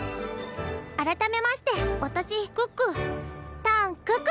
改めまして私可可。